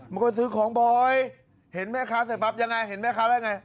มันก็ซื้อของบ่อยเห็นแม่ค้าเสร็จปั๊บยังไงเห็นแม่ค้าแล้วไง